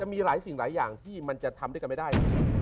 มีหลายสิ่งหลายอย่างที่มันจะทำด้วยกันไม่ได้